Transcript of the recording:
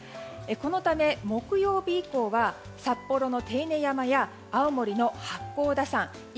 このため木曜日以降は札幌の手稲山や青森の八甲田